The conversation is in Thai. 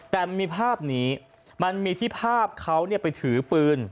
แต่มีภาพนี้มันมีที่ภาพเขาไปถือปืน